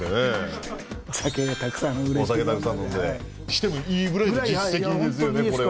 してもいいぐらいの実績ですよねこれは。